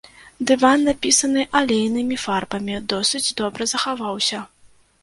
Дыван, напісаны алейнымі фарбамі, досыць добра захаваўся.